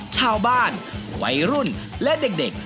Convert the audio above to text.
ชาวบ้านวัยรุ่นและเด็ก